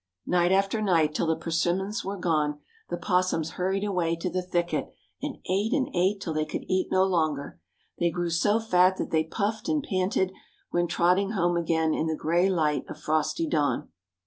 Night after night, till the persimmons were gone, the opossums hurried away to the thicket, and ate and ate till they could eat no longer. They grew so fat that they puffed and panted when trotting home again in the gray light of frosty dawn.